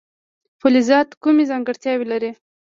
فلزات کومې ځانګړتیاوې لري.